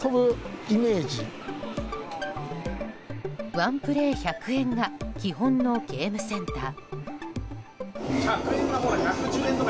ワンプレー１００円が基本のゲームセンター。